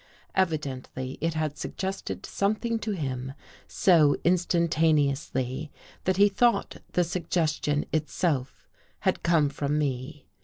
Evidently it had suggested something to him so Instantaneously that he thought the suggestion Itself had come from me.